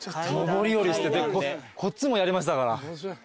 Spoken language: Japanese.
こっちもやりましたから。